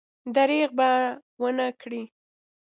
درېغ به ونه کړي.